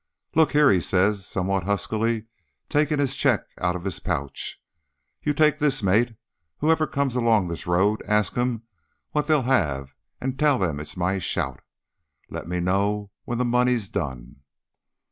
"Look here," he says somewhat huskily, taking his cheque out of his pouch. "You take this, mate. Whoever comes along this road, ask 'em what they'll have, and tell them it's my shout. Let me know when the money's done."